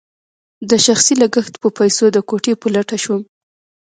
د شخصي لګښت په پیسو د کوټې په لټه شوم.